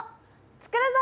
作るぞ！